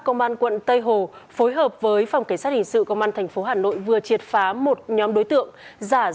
công an quận tây hồ phối hợp với phòng cảnh sát hình sự công an tp hà nội vừa triệt phá một nhóm đối tượng